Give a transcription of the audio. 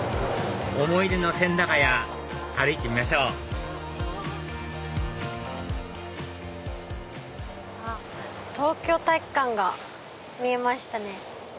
思い出の千駄ヶ谷歩いてみましょう東京体育館が見えましたね。